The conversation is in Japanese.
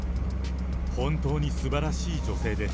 本当にすばらしい女性です。